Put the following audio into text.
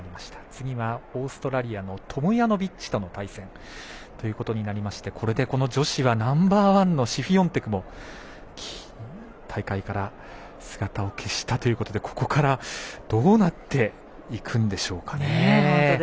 次はオーストラリアのトモヤノビッチとの対戦ということになりましてこれで女子はナンバーワンのシフィオンテクも大会から姿を消したということでここからどうなっていくんでしょうかね。